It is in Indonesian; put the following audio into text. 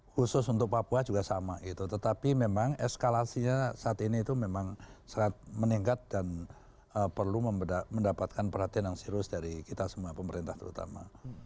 khusus untuk papua juga sama gitu tetapi memang eskalasinya saat ini itu memang sangat meningkat dan perlu mendapatkan perhatian yang serius dari kita semua pemerintah terutama